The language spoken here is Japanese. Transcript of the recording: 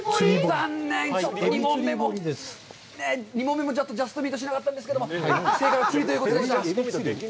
残念、ちょっと２問目もジャストミートしなかったんですけれども、正解は釣りということでした。